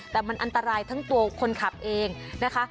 แต่มันอันตรายทั้งตัวคนขับเองนะคะ